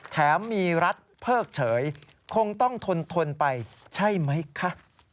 แถมมีรัฐเพิกเฉยคงต้องทนไปใช่ไหมคะ